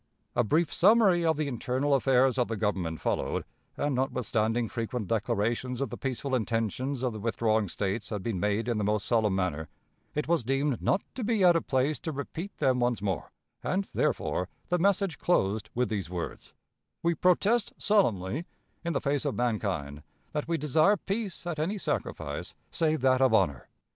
A brief summary of the internal affairs of the Government followed, and, notwithstanding frequent declarations of the peaceful intentions of the withdrawing States had been made in the most solemn manner, it was deemed not to be out of place to repeat them once more; and, therefore, the message closed with these words: "We protest solemnly, in the face of mankind, that we desire peace at any sacrifice, save that of honor.